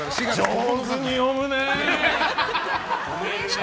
上手に読むね！